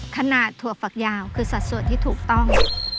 ถั่วฝักยาวคือสัดส่วนที่ถูกต้อง